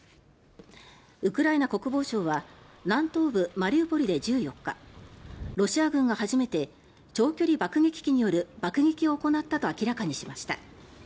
ウクライナ国防省は南東部マリウポリで１４日ロシア軍が初めて長距離爆撃機による爆撃を行ったと明らかにしました。